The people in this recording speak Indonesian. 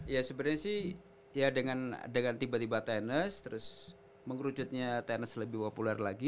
ya sebenarnya sih dengan tiba tiba tennis terus mengerucutnya tennis lebih populer lagi